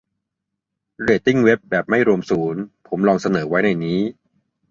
เรตติ้งเว็บ แบบไม่รวมศูนย์ ? ผมลองเสนอไว้ในนี้